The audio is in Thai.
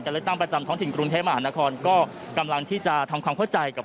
เลือกตั้งประจำท้องถิ่นกรุงเทพมหานครก็กำลังที่จะทำความเข้าใจกับ